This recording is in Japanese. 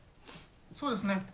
そうですね。